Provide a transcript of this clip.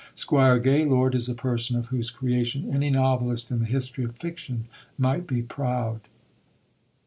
Squire Gaylord is a person of whose creation any novelist in the history of fiction might be proud.